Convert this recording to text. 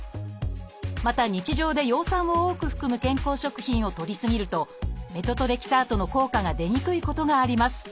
また日常で葉酸を多く含む健康食品をとり過ぎるとメトトレキサートの効果が出にくいことがあります。